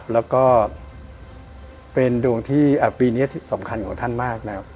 และก็เป็นปีเนี้ยสำคัญของท่านมากน่ะครับ